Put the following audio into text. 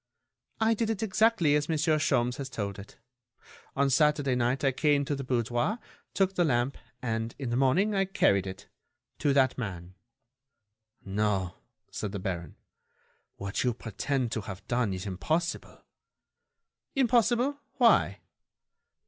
"I did it exactly as Monsieur Sholmes has told it. On Saturday night I came to the boudoir, took the lamp, and, in the morning I carried it ... to that man." "No," said the baron; "what you pretend to have done is impossible." "Impossible—why?"